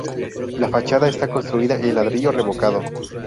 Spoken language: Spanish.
La fachada está construida en ladrillo revocado.